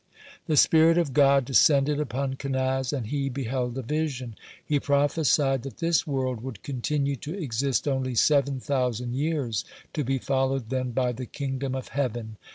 The spirit of God descended upon Kenaz, and he beheld a vision. He prophesied that this world would continue to exist only seven thousand years, to be followed then by the Kingdom of Heaven.